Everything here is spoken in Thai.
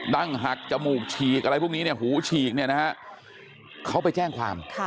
ั้งหักจมูกฉีกอะไรพวกนี้เนี่ยหูฉีกเนี่ยนะฮะเขาไปแจ้งความ